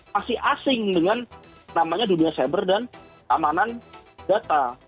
masih asing dengan namanya dunia cyber dan keamanan data